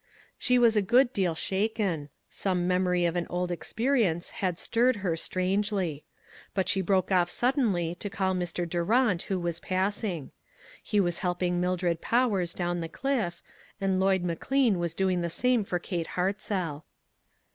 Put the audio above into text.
She was a good deal shaken. Some mem ory of an old experience had stirred her strangely. But she broke off suddenly to call Mr. Durant, who was passing. He was helping Mildred Powers down the cliff, and Lloyd McLean was doing the same for Kate Hartzell.